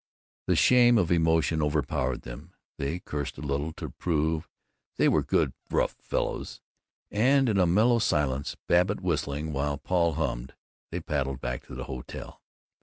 The shame of emotion overpowered them; they cursed a little, to prove they were good rough fellows; and in a mellow silence, Babbitt whistling while Paul hummed, they paddled back to the hotel.